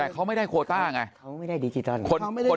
แต่เขาไม่ได้โคต้าไงเขาไม่ได้ดิจิตอล